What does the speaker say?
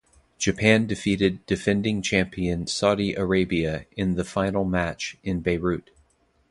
Japan defeated defending champion Saudi Arabia in the final match in Beirut.